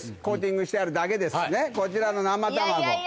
コーティングしてあるだけですねこちらの生卵。